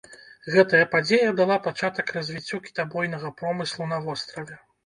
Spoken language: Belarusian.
Гэтая падзея дала пачатак развіццю кітабойнага промыслу на востраве.